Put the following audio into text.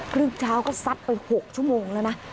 ครึ่งเช้าก็ซัดไป๖ชั่วโมงแล้วนะ